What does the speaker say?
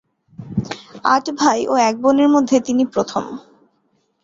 আট ভাই ও এক বোনের মধ্যে তিনি প্রথম।